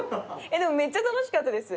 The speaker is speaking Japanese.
でもめっちゃ楽しかったです。